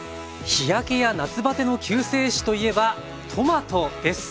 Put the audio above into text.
日焼けや夏バテの救世主といえばトマトです。